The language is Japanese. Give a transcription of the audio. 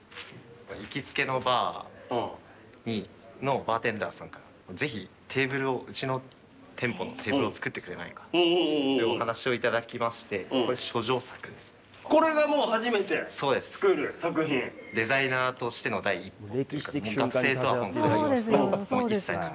行きつけのバーのバーテンダーさんから、ぜひ、テーブルを、うちの店舗のテーブルを作ってくれないかというお話を頂きまして、これがもう、初めて作る作品デザイナーとしての第一歩。